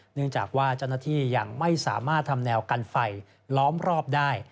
เนื่องจากว่าเจ้าหน้าที่ยังไม่สามารถทำแนวกันไฟล้อมรอบได้